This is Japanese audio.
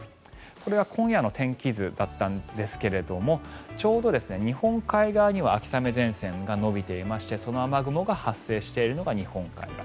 これは今夜の天気図だったんですがちょうど日本海側には秋雨前線が延びていましてその雨雲が発生しているのが日本海側。